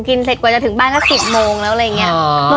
เสร็จกว่าจะถึงบ้านก็๑๐โมงแล้วอะไรอย่างนี้